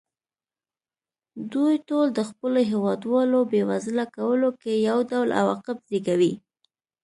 دوی ټول د خپلو هېوادوالو بېوزله کولو کې یو ډول عواقب زېږوي.